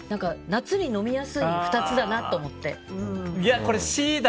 夏に飲みやすい２つだなと思って。